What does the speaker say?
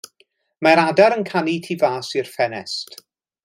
Mae'r adar yn canu tu fas i'r ffenest.